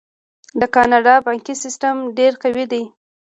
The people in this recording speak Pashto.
د کاناډا بانکي سیستم ډیر قوي دی.